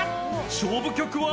［勝負曲は］